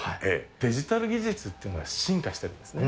デジタル技術っていうのは、進化しているんですね。